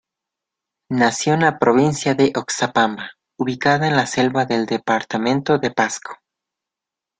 Nació en la provincia de Oxapampa, ubicada en la selva del Departamento de Pasco.